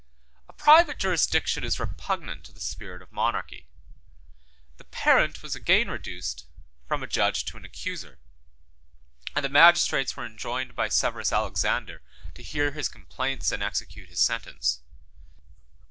110 A private jurisdiction is repugnant to the spirit of monarchy; the parent was again reduced from a judge to an accuser; and the magistrates were enjoined by Severus Alexander to hear his complaints and execute his sentence.